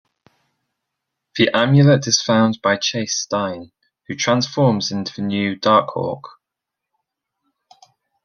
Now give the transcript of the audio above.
The amulet is found by Chase Stein, who transforms into the new Darkhawk.